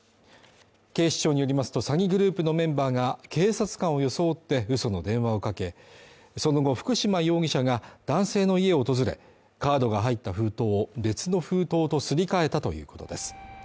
警視庁によりますと詐欺グループのメンバーが警察官を装って嘘の電話をかけ、その後福島容疑者が男性の家を訪れ、カードが入った封筒を別の封筒とすり替えたということです。